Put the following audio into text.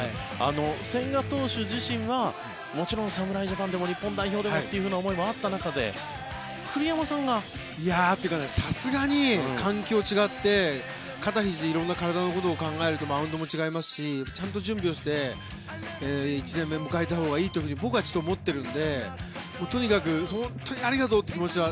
千賀投手自身はもちろん侍ジャパンでも日本代表でもという思いがあった中で、栗山さんが。というか、さすがに環境が違って肩ひじ色んな体のことを考えるとマウンドも違いますしちゃんと準備をして１年目を迎えたほうがいいと僕は思っているのでとにかく、本当にありがとうという気持ちは。